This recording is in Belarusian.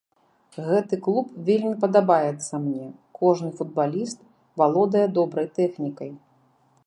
Гэты клуб вельмі падабаецца мне, кожны футбаліст валодае добрай тэхнікай.